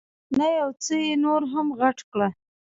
نه، یو څه یې نور هم غټ کړه.